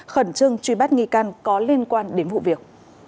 khẩn trương truy bắt nghi can có liên quan đến vụ việc